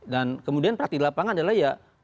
yang terakhir adalah ya